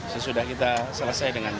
sesudah kita selesai dengan